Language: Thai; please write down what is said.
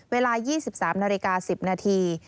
เวลา๒๓นาฬิกา๑๐นาที